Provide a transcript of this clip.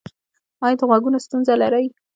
ایا د غوږونو ستونزه لرئ؟